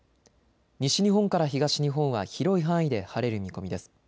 西日本から東日本は広い範囲で晴れる見込みです。